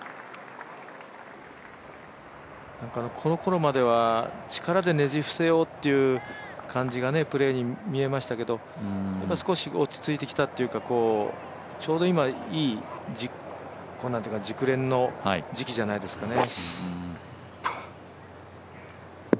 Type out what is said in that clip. このころまでは力でねじ伏せようっていう感じがプレーに見えましたけど少し落ち着いてきたというか、ちょうど今いい、熟練の時期じゃないでしょうかね。